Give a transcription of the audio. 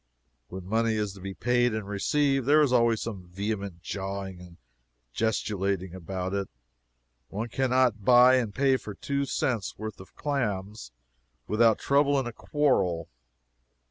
When money is to be paid and received, there is always some vehement jawing and gesticulating about it. One can not buy and pay for two cents' worth of clams without trouble and a quarrel.